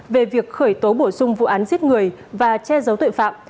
về việc khởi tố bổ sung vụ án giết người và che giấu tội phạm